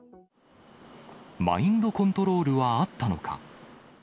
マインドコントロールはあったのか。